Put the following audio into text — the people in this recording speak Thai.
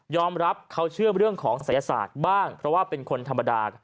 อมรับเขาเชื่อเรื่องของศัยศาสตร์บ้างเพราะว่าเป็นคนธรรมดา